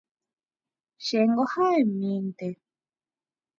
Chéngo ha'emínte